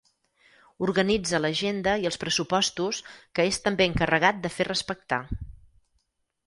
Organitza l'agenda i els pressupostos que és també encarregat de fer respectar.